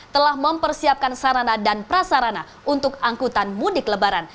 telah mempersiapkan sarana dan prasarana untuk angkutan mudik lebaran